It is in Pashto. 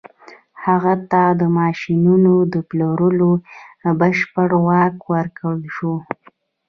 هغه ته د ماشينونو د پلورلو بشپړ واک ورکړل شو.